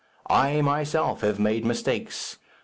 I myself have made mistakes.